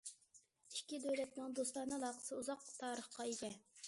ئىككى دۆلەتنىڭ دوستانە ئالاقىسى ئۇزاق تارىخقا ئىگە.